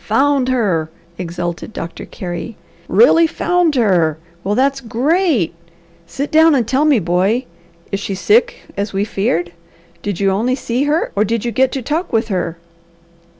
"Found her!" exulted Doctor Carey. "Really found her! Well that's great! Sit down and tell me, boy! Is she sick, as we feared? Did you only see her or did you get to talk with her?"